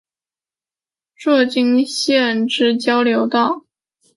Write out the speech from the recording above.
摄津北交流道是位于大阪府摄津市的近畿自动车道之交流道。